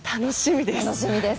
楽しみです！